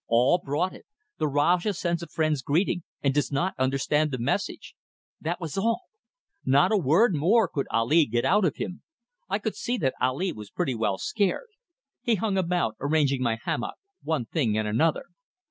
"All brought it: 'The Rajah sends a friend's greeting, and does not understand the message.' That was all. Not a word more could Ali get out of him. I could see that Ali was pretty well scared. He hung about, arranging my hammock one thing and another.